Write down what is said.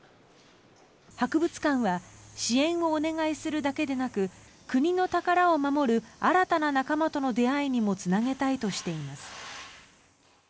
博物館は支援をお願いするだけでなく国の宝を守る新たな仲間との出会いにもつなげたいとしています。